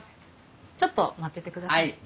ちょっと待っててくださいね。